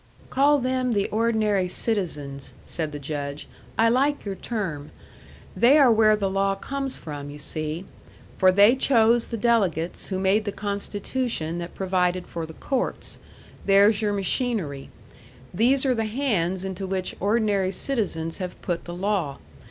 "Call them the ordinary citizens," said the Judge. "I like your term. They are where the law comes from, you see. For they chose the delegates who made the Constitution that provided for the courts. There's your machinery. These are the hands into which ordinary citizens have put the law.